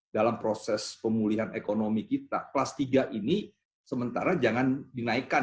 dalam proses pemulihan ekonomi kita kelas tiga ini sementara jangan dinaikkan